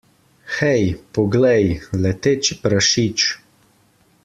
Hej, poglej, leteči prašič!